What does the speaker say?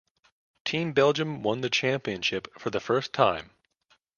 Team Belgium won the championship for the first time.